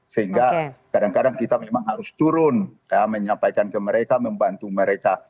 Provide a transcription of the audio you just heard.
sehingga kadang kadang kita memang harus turun menyampaikan ke mereka membantu mereka